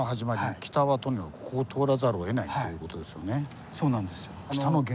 北はとにかくここを通らざるをえないという事ですよね。